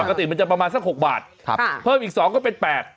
ปกติมันจะประมาณสัก๖บาทเพิ่มอีก๒ก็เป็น๘